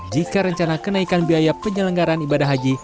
jika rencana kenaikan biaya penyelenggaran ibadah haji